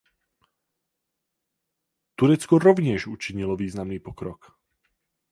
Turecko rovněž učinilo významný pokrok.